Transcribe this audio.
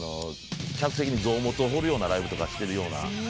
客席に臓物を放るようなライブとかしてるような。